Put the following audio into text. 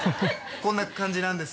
こんな感じなんです。